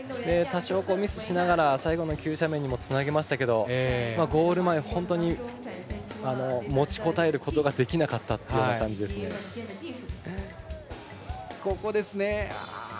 多少ミスしながら最後の急斜面にもつなげましたけど、ゴール前本当に持ちこたえることができなかったという感じですね。